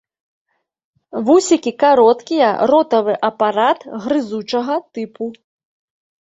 Вусікі кароткія, ротавы апарат грызучага тыпу.